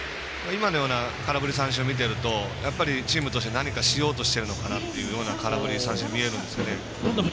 今のような空振り三振を見ていると何かしようとしているのかなという空振り三振に見えるんですよ。